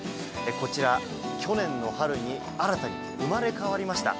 こちら、去年の春に新たに生まれ変わりました。